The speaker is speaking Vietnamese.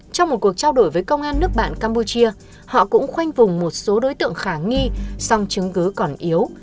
trong một cuộc trao đổi với công an nước bạn campuchia họ cũng khoanh vùng một số đối tượng khả nghi song chứng cứ còn yếu